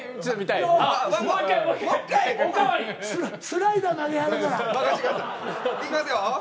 いきますよ。